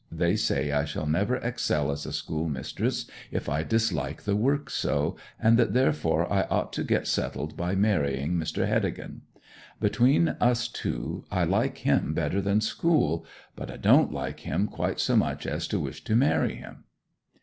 They say I shall never excel as a schoolmistress if I dislike the work so, and that therefore I ought to get settled by marrying Mr. Heddegan. Between us two, I like him better than school; but I don't like him quite so much as to wish to marry him.'